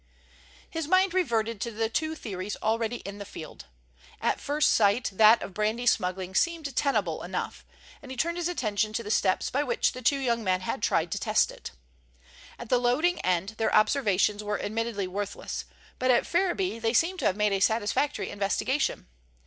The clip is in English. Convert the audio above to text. His mind reverted to the two theories already in the field. At first sight that of brandy smuggling seemed tenable enough, and he turned his attention to the steps by which the two young men had tried to test it. At the loading end their observations were admittedly worthless, but at Ferriby they seemed to have made a satisfactory investigation.